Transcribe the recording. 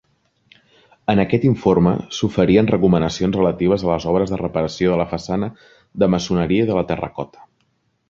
En aquest informe s'oferien recomanacions relatives a les obres de reparació de la façana de maçoneria i de la terracota.